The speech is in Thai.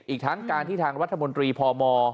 อีกทั้งการที่ทางรัฐมนตรีพม